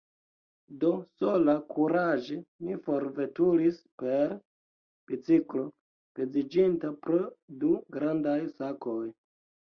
Do, sola, kuraĝe mi forveturis per biciklo, peziĝinta pro du grandaj sakoj.